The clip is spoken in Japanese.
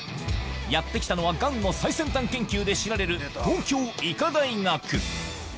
やって来たのはがんの最先端研究で知られる、東京医科大学。